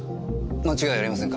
間違いありませんか？